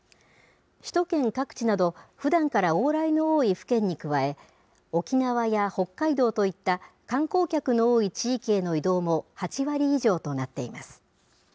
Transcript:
首都圏各地など、ふだんから往来の多い府県に加え、沖縄や北海道といった観光客の多い地域への移動も８割以上となっています。